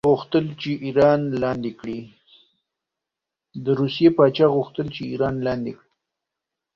د روسیې پاچا غوښتل چې ایران لاندې کړي.